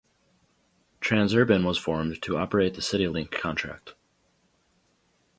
Transurban was formed to operate the CityLink contract.